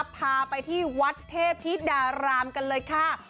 พาไปที่วัดเทพธิดารามกันเลยค่ะ